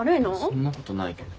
そんなことないけど。